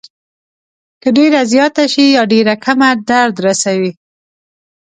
که ډېره زیاته شي یا ډېره کمه درد رسوي.